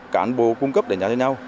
cán bộ cung cấp đánh giá cho nhau